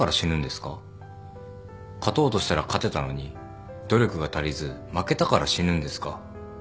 勝とうとしたら勝てたのに努力が足りず負けたから死ぬんですか？